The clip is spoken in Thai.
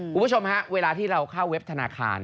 คุณผู้ชมฮะเวลาที่เราเข้าเว็บธนาคาร